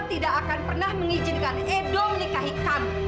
saya tidak akan pernah mengizinkan edo menikahi kamu